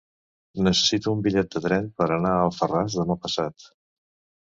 Necessito un bitllet de tren per anar a Alfarràs demà passat.